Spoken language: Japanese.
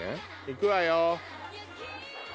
行くわよ。